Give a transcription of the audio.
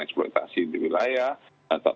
eksploitasi di wilayah atau